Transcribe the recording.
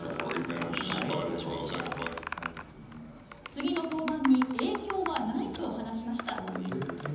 次の登板に影響はないと話しました。